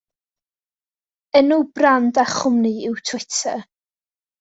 Enw brand a chwmni yw Twitter.